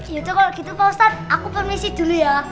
itu kalau gitu pak ustadz aku permisi dulu ya